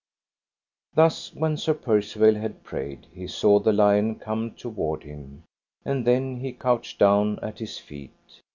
Thus when Sir Percivale had prayed he saw the lion come toward him, and then he couched down at his feet.